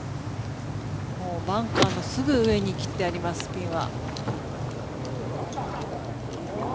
バンカーのすぐ上に切ってあります、ピンは。